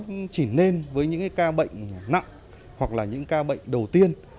nó chỉ nên với những ca bệnh nặng hoặc là những ca bệnh đầu tiên